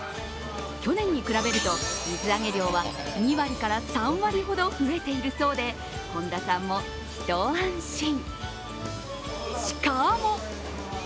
去年に比べると、水揚げ量は２割から３割ほど増えているそうで本田さんも一安心。